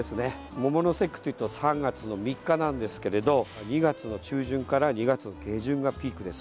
桃の節句というと３月の３日なんですけれど２月の中旬から２月下旬がピークです。